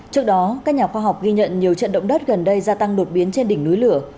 trước đó các nhà khoa học ghi nhận nhiều trận động đất gần đây gia tăng đột biến trên đỉnh núi lửa